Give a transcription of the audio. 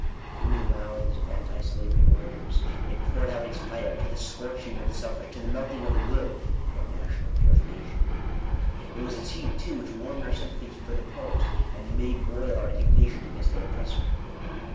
Through Digitized by VjOOQIC 24 INTRODUCTION. the mouths of anti slavery orators, it poured out ita, fire, to the scorching of the selfish, to the melting of the good, to our national purification. It was its heat, too, which warmed our sympathy for the Poles, and made boil our indignation against their oppressor.